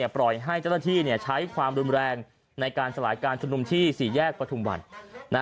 ปล่อยให้เจ้าหน้าที่ใช้ความรุนแรงในการสลายการชุมนุมที่๔แยกประทุมวัน